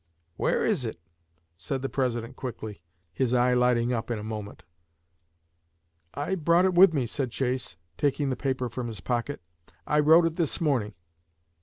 'Where is it?' said the President quickly, his eye lighting up in a moment. 'I brought it with me,' said Chase, taking the paper from his pocket; 'I wrote it this morning.'